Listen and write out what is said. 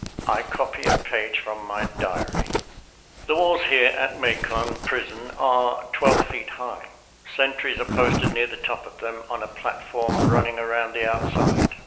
I copy a page from my diary: "The walls here at Macon prison are twelve feet high. Sentries are posted near the top of them on a platform running around the outside.